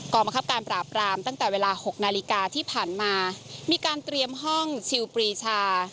กรรมคับการปราบรามตั้งแต่เวลา๖นาฬิกาที่ผ่านมามีการเตรียมห้องชิลปรีชา